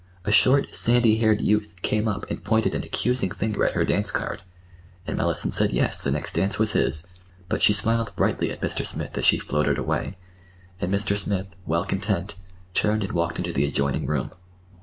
A short, sandy haired youth came up and pointed an accusing finger at her dance card; and Mellicent said yes, the next dance was his. But she smiled brightly at Mr. Smith as she floated away, and Mr. Smith, well content, turned and walked into the adjoining room.